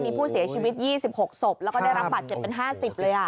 มีผู้เสียชีวิต๒๖ศพแล้วก็ได้รับบาดเจ็บเป็น๕๐เลย